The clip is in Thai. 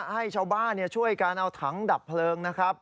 ให้ชาวบ้านช่วยการเอาถังดับเพลิงนะครับ